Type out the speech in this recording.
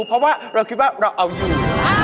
เพราะว่าเราคิดว่าเราเอาอยู่